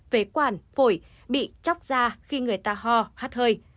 vế quản phổi bị chóc ra khi người ta ho hắt hơi